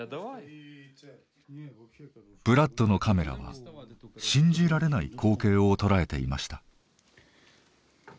ブラッドのカメラは信じられない光景を捉えていました。